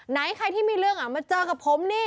ไหนใครที่มีเรื่องมาเจอกับผมนี่